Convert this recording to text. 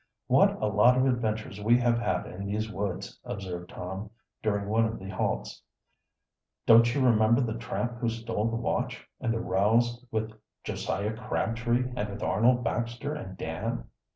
"What a lot of adventures we have had in these woods," observed Tom, during one of the halts. "Don't you remember the tramp who stole the watch, and the rows with Josiah Crabtree and with Arnold Baxter and Dan?"